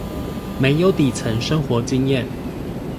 沒有底層生活經驗